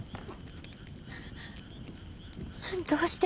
どうして？